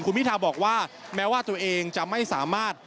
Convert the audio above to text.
คุณพิทาบอกว่าแม้ว่าตัวเองจะไม่สามารถ